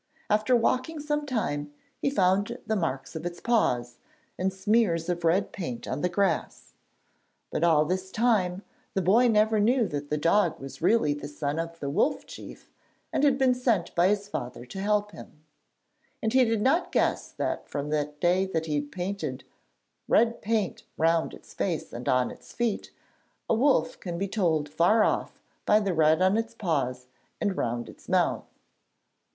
After walking some time he found the marks of its paws, and smears of red paint on the grass. But all this time the boy never knew that the dog was really the son of the Wolf Chief and had been sent by his father to help him, and he did not guess that from the day that he painted red paint round its face and on its feet a wolf can be told far off by the red on its paws and round its mouth.